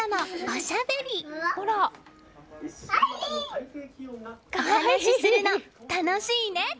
お話しするの、楽しいね！